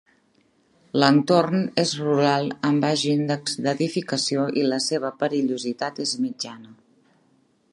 L'entorn és rural amb baix índex d'edificació i la seva perillositat és mitjana.